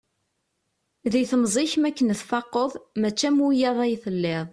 Di temẓi-k mi akken tfaqeḍ, mačči am wiyaḍ ay telliḍ.